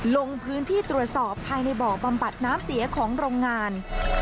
ลงพื้นที่ตรวจสอบภายในบ่อบำบัดน้ำเสียของโรงงาน